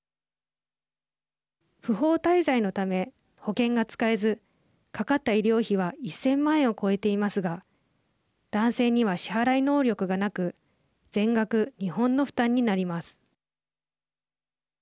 不法滞在のため保険が使えずかかった医療費は１０００万円を超えていますが男性には支払い能力がなく全額、日本の負担になります。